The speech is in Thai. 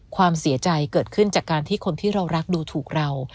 ความเสียใจเกิดขึ้นจากการที่คนที่เรารักดูถูกเรา